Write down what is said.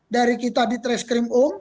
dari kita di traskrimung